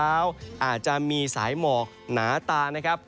อาจจะมีสายหมอกหนาตานะครับ